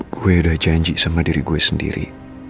gue udah janji sama diri gue sendiri